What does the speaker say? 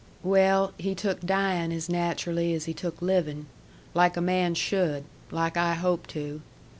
"Well, he took dying as naturally as he took living. Like a man should. Like I hope to."